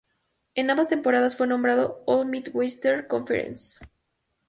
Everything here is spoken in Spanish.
En ambas temporadas fue nombrado All-Midwestern Conference.